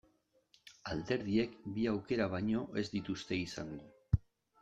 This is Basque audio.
Alderdiek bi aukera baino ez dituzte izango.